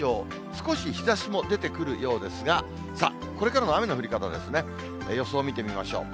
少し日ざしも出てくるようですが、さあ、これからの雨の降り方ですね、予想を見てみましょう。